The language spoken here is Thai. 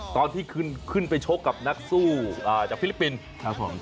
ตอนที่ขึ้นไปชกกับนักสู้จากฟิลิปปินส์ครับผม